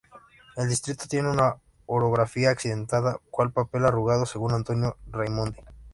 El distrito tiene una orografía accidentada "cual papel arrugado" según Antonio Raimondi.